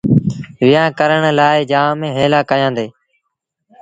ويهآݩ ڪرڻ لآ جآم هيٚلآ ڪيآݩدي۔